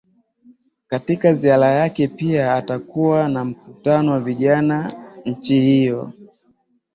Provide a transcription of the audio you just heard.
katika ziara yake pia atakuwa na mkutano na vijana nchi hiyo